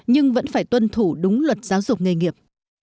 nhưng vẫn phải tuân thủ đúng luật giáo dục nghề nghiệp